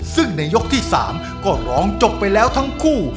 ซึ่งในยกที่๓ก็ร้องจบไปแล้วทั้งคู่